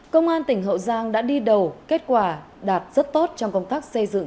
công an tỉnh hậu giang đã đi đầu kết quả đạt rất tốt trong công tác xây dựng